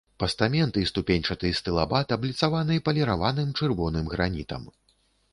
Пастамент і ступеньчаты стылабат абліцаваны паліраваным чырвоным гранітам.